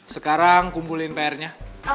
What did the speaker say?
sekarang kumpulin prnya